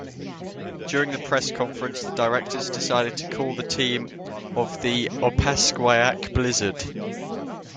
During the press conference the directors decided to call the team the Opaskwayak Blizzard.